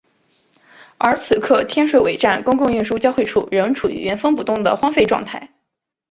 而此刻天水围站公共运输交汇处仍处于原封不动的荒废状态。